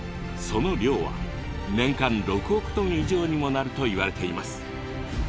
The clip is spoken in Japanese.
その量は年間６億トン以上にもなるといわれています。